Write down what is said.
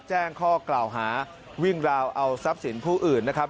แจ้งข้อกล่าวหาวิ่งราวเอาทรัพย์สินผู้อื่นนะครับ